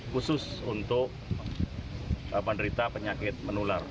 khusus untuk penderita penyakit menular